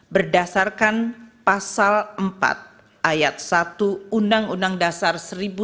berdasarkan pasal empat ayat satu undang undang dasar seribu sembilan ratus empat puluh lima